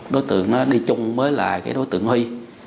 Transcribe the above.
đối tượng nó đi chung mới là cái đối tượng huy